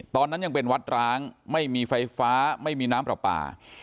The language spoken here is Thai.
ตอนนั้นยังเป็นวัดร้างไม่มีไฟฟ้าไม่มีน้ำปลาปลา